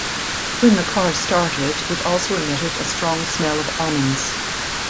When the car started, it also emitted a strong smell of almonds.